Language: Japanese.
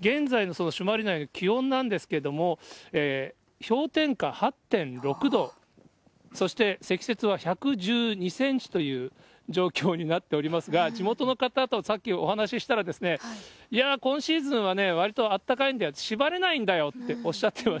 現在の朱鞠内の気温なんですけれども、氷点下８．６度、そして積雪は１１２センチという状況になっておりますが、地元の方とさっきお話ししたら、いやー、今シーズンはわりとあったかいんだよ、しばれないんだよっておっしゃってました。